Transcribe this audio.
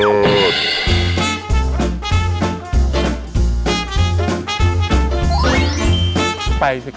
ไปศึกษาแล้วก็กลับไปที่นี่กัน